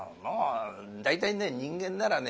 大体ね人間ならね